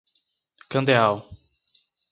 Candeal